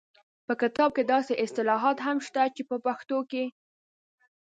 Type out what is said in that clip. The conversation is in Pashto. په کتاب کې داسې اصطلاحات هم شته چې په پښتو کې